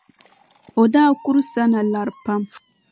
O daa kuri Sana lari pam.